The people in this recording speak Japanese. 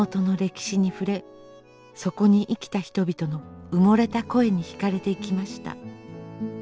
そこに生きた人々の埋もれた声に惹かれていきました。